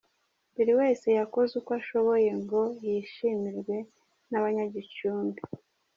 buri wese yakoze uko ashoboye ngo yishimirwe n’ abanya Gicumbi.